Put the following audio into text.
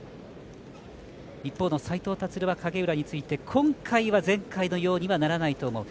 一方の斉藤立は影浦について今回は前回のようにはならないと思う。